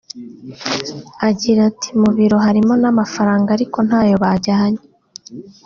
Agira ati “Mu biro harimo n’amafaranga ariko ntayo bajyanye